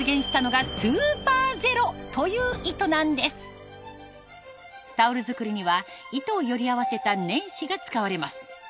この驚きのタオル作りには糸をより合わせた撚糸が使われます